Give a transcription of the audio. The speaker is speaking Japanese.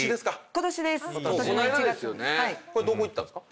これどこ行ったんですか？